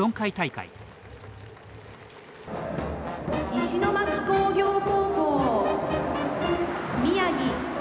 「石巻工業高校宮城」。